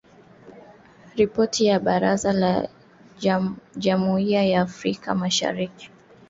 Ripoti ya Baraza la jumuia ya Afrika Mashariki ambayo gazeti iliiona